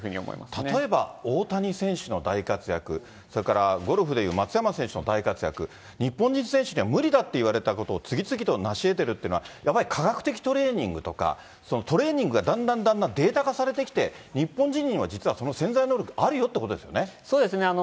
例えば大谷選手の大活躍、それからゴルフでいう松山選手の大活躍、日本人選手には無理だって言われたことを次々となし得てるということは、やはり科学的トレーニングとか、トレーニングがだんだんだんだんデータ化されてきて、日本人には実は、その潜在能力あるそうですね。